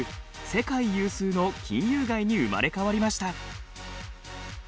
世界有数の金融街に生まれ変わりました。